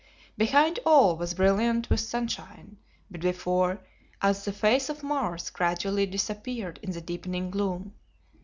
Behind all was brilliant with sunshine, but before us the face of Mars gradually disappeared in the deepening gloom.